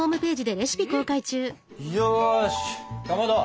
よしかまど！